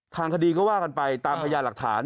ทางคดีก็ว่ากันไปตามพยานหลักฐาน